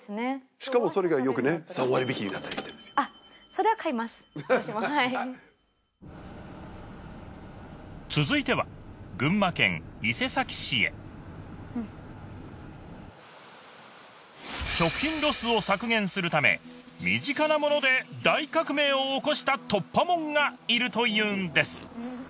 私もはい続いては群馬県伊勢崎市へ食品ロスを削減するため身近なもので大革命を起こした「突破者」がいるというんです！